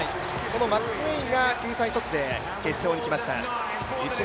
マクスウェインが救済措置で決勝に来ました。